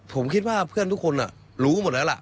ผมคิดว่าเพื่อนทุกคนรู้กันหมดแล้วล่ะ